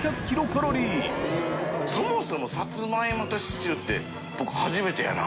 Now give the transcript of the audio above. そもそもサツマイモとシチューって初めてやな。